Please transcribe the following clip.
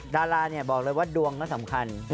ดาราระเนี่ยบอกเลยว่าดวงมันสำคัญ